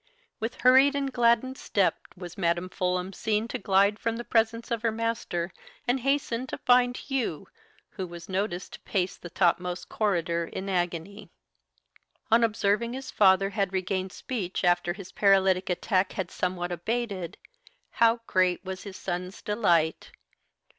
With hurried and gladdened step was Madam Fulham seen to glide from the presence of her master, and hasten to find Hugh, who was noticed to pace the topmost corridor in agony. On observing his father had regained speech after his paralytic attack had somewhat abated, how great was his son's delight!